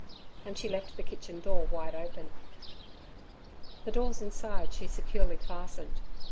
And she left the kitchen door wide open. The doors inside she securely fastened.